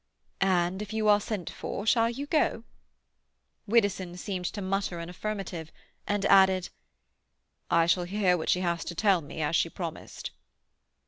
"And if you are sent for shall you go?" Widdowson seemed to mutter an affirmative, and added,— "I shall hear what she has to tell me, as she promised."